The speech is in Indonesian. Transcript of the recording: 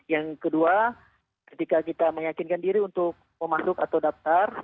yang kedua ketika kita meyakinkan diri untuk memasuk atau daftar